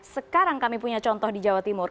sekarang kami punya contoh di jawa timur